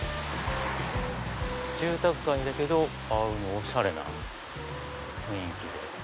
住宅街だけどああいうおしゃれな雰囲気で。